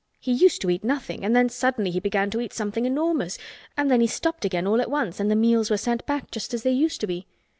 He used to eat nothing and then suddenly he began to eat something enormous—and then he stopped again all at once and the meals were sent back just as they used to be.